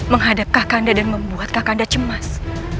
menghadap kakanda dan membuat kakanda cemas